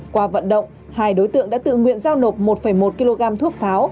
qua vận động hai đối tượng đã tự nguyện giao nộp một một kg thuốc pháo